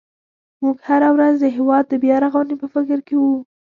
موږ هره ورځ د هېواد د بیا رغونې په فکر کې وو.